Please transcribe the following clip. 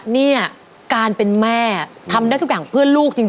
เนี่ยการเป็นแม่ทำได้ทุกอย่างเพื่อลูกจริง